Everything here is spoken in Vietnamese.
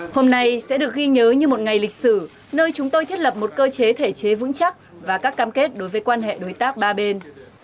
hôm nay sẽ được ghi nhớ như một ngày lịch sử nơi chúng tôi thiết lập một cơ chế thể chế vững chắc và các cam kết đối với quan hệ đối tác ba bên